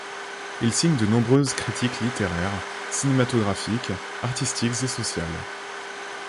Il signe de nombreuses critiques littéraires, cinématographiques, artistiques et sociales.